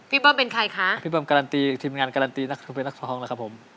เบิ้มเป็นใครคะพี่เบิ้มการันตีทีมงานการันตีนักเป็นนักร้องนะครับผม